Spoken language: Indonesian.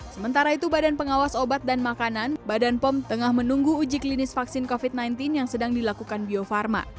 sementara itu badan pengawas obat dan makanan badan pom tengah menunggu uji klinis vaksin covid sembilan belas yang sedang dilakukan bio farma